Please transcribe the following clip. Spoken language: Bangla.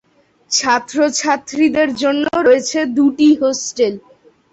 ছাত্র /ছাত্রীদের জন্য রয়েছে দুটি হোস্টেল।